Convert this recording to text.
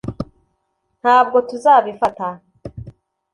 ntabwo tuzabifata